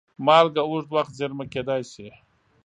مالګه اوږد وخت زېرمه کېدای شي.